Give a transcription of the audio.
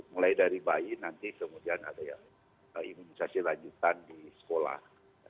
mulai dari bayi nanti kemudian ada yang imunisasi lanjutan di sekolah